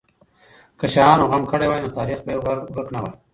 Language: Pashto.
که شاهانو غم کړی وای، نو تاریخ به یې ورک نه وای.